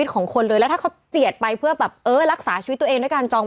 ขมับอยู่เหมือนกัน